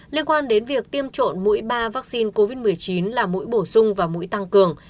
liên quan đến việc tiêm trộn mũi ba vaccine covid một mươi chín là mũi bổ sung và mũi tăng cường